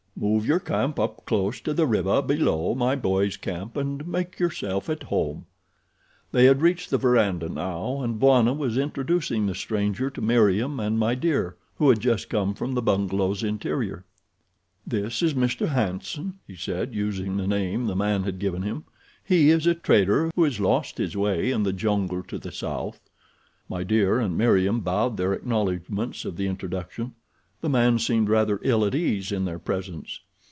"Move your camp up close to the river below my boys' camp and make yourself at home." They had reached the verandah now and Bwana was introducing the stranger to Meriem and My Dear, who had just come from the bungalow's interior. "This is Mr. Hanson," he said, using the name the man had given him. "He is a trader who has lost his way in the jungle to the south." My Dear and Meriem bowed their acknowledgments of the introduction. The man seemed rather ill at ease in their presence.